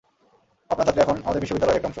আপনার ছাত্রী এখন আমাদের বিশ্ববিদ্যালয়ের একটা অংশ।